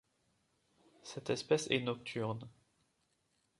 Cette espèce est nocturne.